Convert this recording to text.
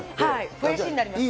肥やしになりますね。